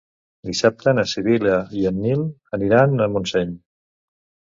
Dissabte na Sibil·la i en Nil aniran a Montseny.